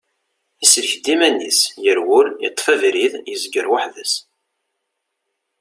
Isellek-d iman-is, yerwel, yeṭṭef abrid, yezger weḥd-s.